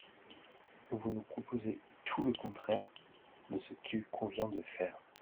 Vous nous proposez tout le contraire de ce qu’il convient de faire.